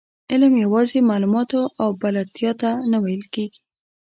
علم یوازې معلوماتو او بلدتیا ته نه ویل کېږي.